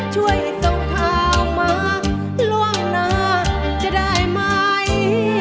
ช่วยส่งข่าวมาล่วงหน้าจะได้ไหม